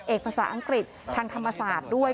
ภาษาอังกฤษทางธรรมศาสตร์ด้วย